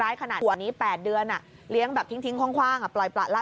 ร้ายขนาดหัวนี้๘เดือนอ่ะเลี้ยงแบบทิ้งคว่างอ่ะปล่อยปละ